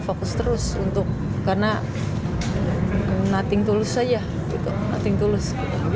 fokus terus untuk karena nothing tulus aja nothing tulus